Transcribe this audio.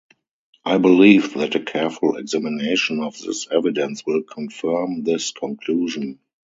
I believe that a careful examination of this evidence will confirm this conclusion.